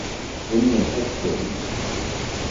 Enɨe jaɨkoride